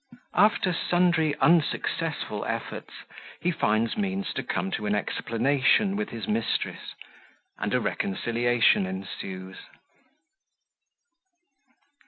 After sundry unsuccessful Efforts, he finds means to come to an Explanation with his Mistress; and a Reconciliation ensues.